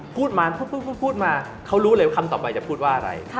พูดมาพูดมาเขารู้เลยว่าคำต่อไปจะพูดว่าอะไร